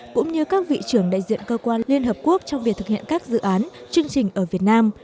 cũng như các vị trưởng đại diện cơ quan liên hợp quốc trong việc thực hiện các dự án chương trình ở việt nam